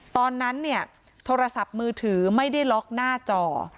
ตอนนั้นเนี่ยโทรศัพท์มือถือไม่ได้ล็อกหน้าจอ